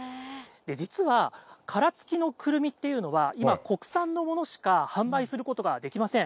実は殻付きのくるみっていうのは、今、国産のものしか販売することができません。